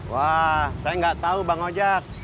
wah saya nggak tahu bang ojek